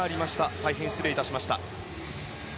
大変失礼いたしました。